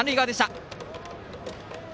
三塁側でした。